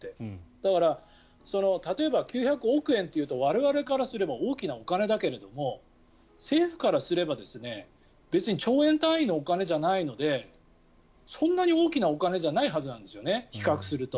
だから、例えば９００億円って言うと我々からすれば大きなお金だけれども政府からすれば別に兆円単位のお金じゃないのでそんなに大きなお金じゃないはずなんですよね比較すると。